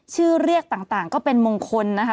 ชื่อเรียกต่างก็เป็นมงคลนะคะ